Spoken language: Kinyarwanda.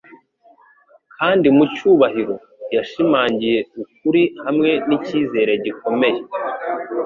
kandi mu cyubahiro, yashimangiye ukuri hamwe n’icyizere gikomeye